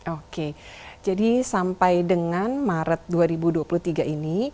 oke jadi sampai dengan maret dua ribu dua puluh tiga ini